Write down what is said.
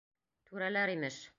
Түрәләр, имеш.